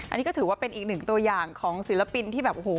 อันนี้ก็ถือว่าเป็นอีกหนึ่งตัวอย่างของศิลปินที่แบบโอ้โห